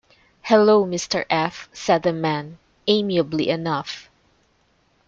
"Hello, Mr. F." said the man, amiably enough.